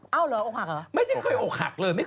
เอ้อหรือองค์หักเหรอ